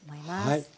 はい。